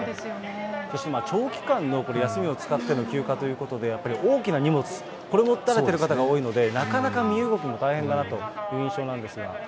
そして長期間の休みを使っての休暇ということで、やっぱり大きな荷物、これ、持たれている方が多いので、なかなか身動きも大変だなという印象なんですが。